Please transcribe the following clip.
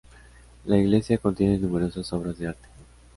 La iglesia contiene numerosas obras de arte.